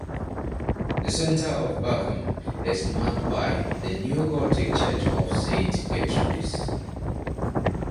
The center of Bockum is marked by the neogothic church of Saint Gertrudis.